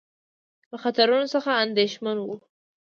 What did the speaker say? له خطرونو څخه اندېښمن وو.